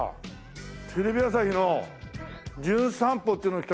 テレビ朝日の『じゅん散歩』っていうので来た私